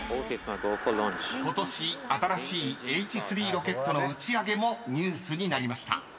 ［ことし新しいＨ３ロケットの打ち上げもニュースになりました］